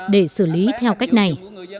để xử lý theo cách này